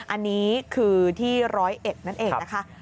อันนี้คือที่ร้อยเอ็ดนั่นเองนะคะ